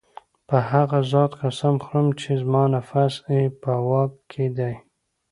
په هغه ذات قسم خورم چي زما نفس ئي په واك كي دی